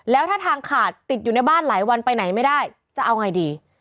แล้วถ้าทางขาดติดอยู่ในบ้านหลายวันไปไหนไม่ได้จะเอาไงดี